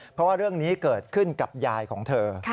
เพราะว่าเรื่องนี้เกิดขึ้นกับยายของเธอ